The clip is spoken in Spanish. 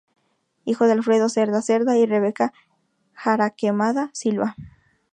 Hijo de Alfredo Cerda Cerda y Rebeca Jaraquemada Silva.